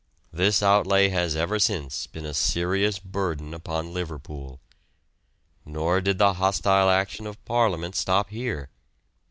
This outlay has ever since been a serious burden upon Liverpool. Nor did the hostile action of Parliament stop here.